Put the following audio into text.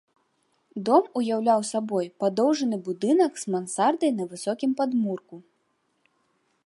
Дом уяўляў сабой падоўжаны будынак з мансардай на высокім падмурку.